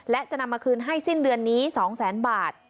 และจะนำมาคืนให้สิ้นเดือนนี้๒แสนบาท